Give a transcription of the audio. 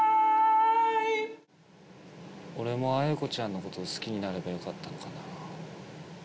俺も綾子ちゃんのこと好きになればよかったのかな